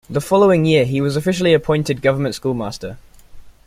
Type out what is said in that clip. The following year he was officially appointed government schoolmaster.